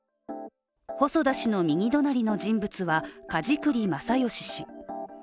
細田氏の右隣の人物は梶栗正義氏。